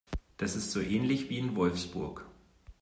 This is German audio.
Das ist so ähnlich wie in Wolfsburg